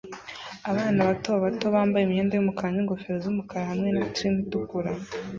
abana bato bato bambaye imyenda yumukara n'ingofero z'umukara hamwe na trim itukura